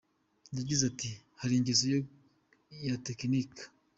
Yagize ati “Hari ingeso yo gutekinika.